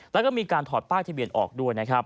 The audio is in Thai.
และมีการถอดป้ายทะเบียนออกด้วย